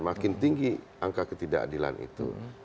makin tinggi angka ketidakadilan itu